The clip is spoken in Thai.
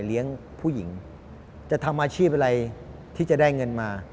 เลี้ยงผู้หญิงจะทำอาชีพอะไรที่จะได้เงินมา